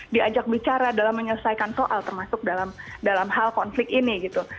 diajak bicara dalam menyelesaikan soal termasuk dalam hal konflik ini gitu